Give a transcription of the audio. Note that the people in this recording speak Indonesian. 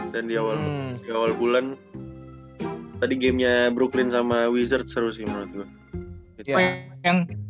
dan di awal bulan tadi gamenya brooklyn sama wizard seru sih menurut gue